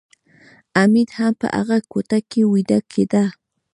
حمید هم په هغه کوټه کې ویده کېده